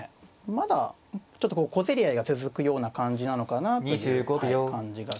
まだちょっとこう小競り合いが続くような感じなのかなというはい感じが。